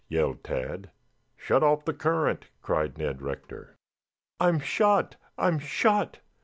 yelled Tad. "Shut off the current!" cried Ned Rector. "I'm shot, I'm shot!"